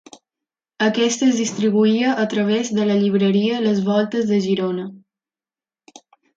Aquest es distribuïa a través de la llibreria Les Voltes de Girona.